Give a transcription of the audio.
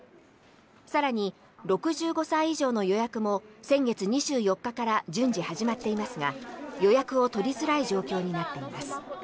更に、６５歳以上の予約も先月２４日から順次始まっていますが予約を取りづらい状況になっています。